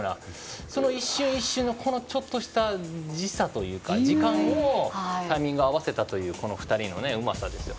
その一瞬の時差というか時間とタイミング合わせたというこの２人のうまさですよ。